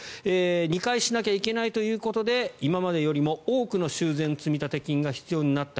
２回しなきゃいけないということで今までよりも多くの修繕積立金が必要になった。